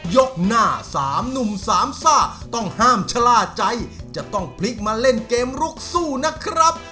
ยกหน้าสามหนุ่มสามซ่าต้องห้ามชะล่าใจจะต้องพลิกมาเล่นเกมลุกสู้นะครับ